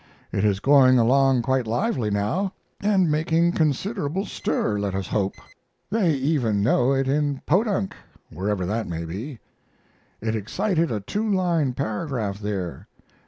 It is going along quite lively now, and making considerable stir, let us hope. They even know it in Podunk, wherever that may be. It excited a two line paragraph there.